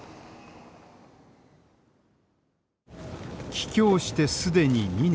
帰郷して既に２年。